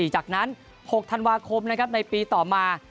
จากนั้น๖ธันวาคมในปีต่อมา